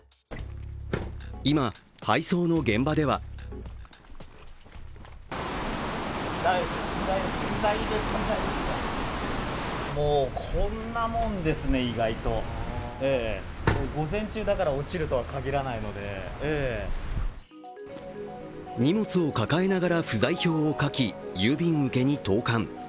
今、配送の現場では荷物を抱えながら不在票を書き、郵便受けに投かん。